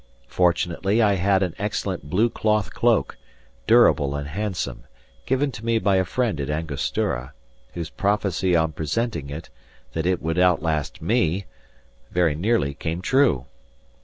Fortunately I had an excellent blue cloth cloak, durable and handsome, given to me by a friend at Angostura, whose prophecy on presenting it, that it would outlast ME, very nearly came true.